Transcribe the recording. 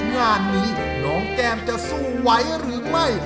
งานนี้น้องแก้มจะสู้ไหวหรือไม่